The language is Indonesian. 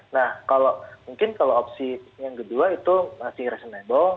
nah kalau mungkin kalau opsi yang kedua itu masih reasonable